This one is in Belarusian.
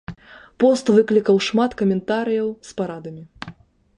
Пост выклікаў шмат каментарыяў з парадамі.